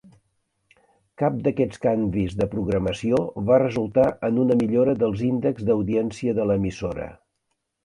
Cap d'aquests canvis de programació va resultar en una millora dels índexs d'audiència de l'emissora.